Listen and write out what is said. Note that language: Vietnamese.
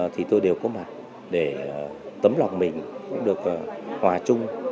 thì tôi đều có mặt để tấm lòng mình cũng được hòa chung